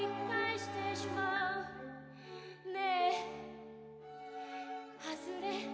「ねえ外れ？